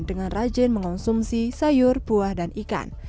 dengan rajin mengonsumsi sayur buah dan ikan